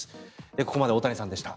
ここまで太谷さんでした。